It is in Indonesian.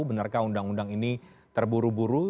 benarkah undang undang ini terburu buru